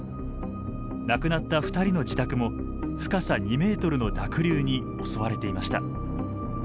亡くなった２人の自宅も深さ２ｍの濁流に襲われていました。